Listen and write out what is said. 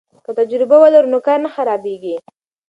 که تجربه ولرو نو کار نه خرابیږي.